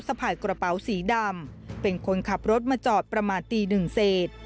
พายกระเป๋าสีดำเป็นคนขับรถมาจอดประมาณตีหนึ่งเศษ